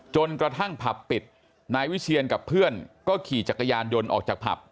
กระทั่งผับปิดนายวิเชียนกับเพื่อนก็ขี่จักรยานยนต์ออกจากผับ